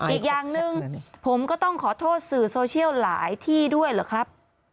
อีกอย่างหนึ่งผมก็ต้องขอโทษสื่อโซเชียลหลายที่ด้วยเหรอครับ